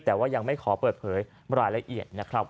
แต่ว่ายังไม่ขอเปิดเผยรายละเอียดนะครับ